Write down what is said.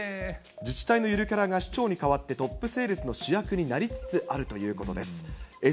自治体のゆるキャラが市長に代わってトップセールスの主役になりつつあるということです。